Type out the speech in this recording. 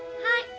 はい。